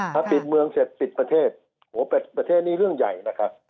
ถ้าปิดเมืองเสร็จปิดประเทศนี้เรื่องใหญ่นะครับ